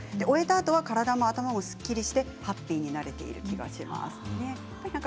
終えたあとは体も頭もすっきりしてハッピーになれている気がします。